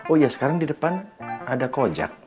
oh ya sekarang di depan ada kojak